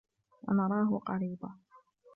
وَنَرَاهُ قَرِيبًا